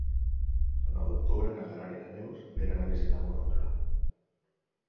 El nou d'octubre na Queralt i na Neus aniran a visitar mon oncle.